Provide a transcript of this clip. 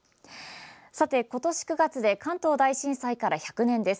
さて、今年９月で関東大震災から１００年です。